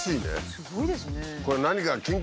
すごいですね。